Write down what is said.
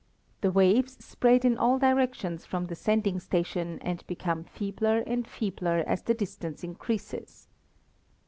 The waves spread in all directions from the sending station and become feebler and feebler as the distance increases.